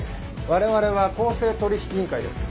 われわれは公正取引委員会です。